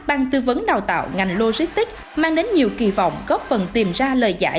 bang tư vấn đào tạo ngành logistics mang đến nhiều kỳ vọng góp phần tìm ra lời giải